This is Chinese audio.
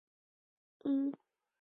渐江和尚和石涛都曾在此居住。